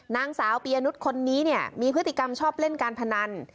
นางสาวปียนุษย์คนนี้เนี่ยมีพฤติกรรมชอบเล่นการพนัน